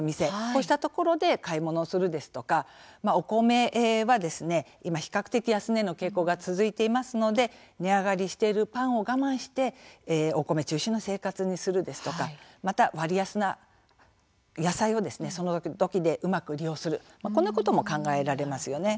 こうしたところで買い物をするですとかお米は今、比較的安値の傾向が続いていますので値上がりしているパンを我慢してお米中心の生活にするですとかまた、割安な野菜をその時々でうまく利用するこんなことも考えられますよね。